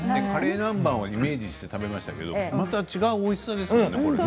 カレー南蛮をイメージして食べましたけどまた違うおいしさですね。